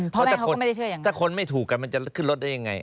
เพราะแม่เขาก็ไม่ได้เชื่ออย่างนั้น